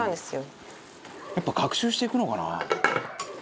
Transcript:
「やっぱ学習していくのかな？」